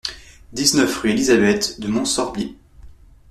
dix-neuf rue Elisabeth de Montsorbier